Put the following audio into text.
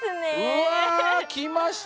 うわきました。